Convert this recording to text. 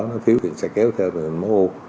nó thiếu thì sẽ kéo theo tình hình máu ô